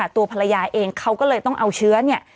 ตัวภรรยาเองเขาก็เลยต้องเอาเชื้อเนี่ย